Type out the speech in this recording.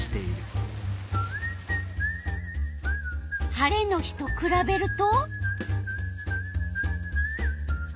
晴れの日とくらべると？